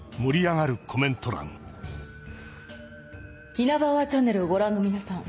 『イナバウアーチャンネル』をご覧の皆さん